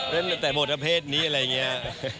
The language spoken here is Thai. เล่นแต่บทเพศนี้อะไรเงี้ย